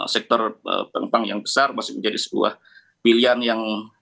sektor penumpang yang besar masih menjadi sebuah pilihan yang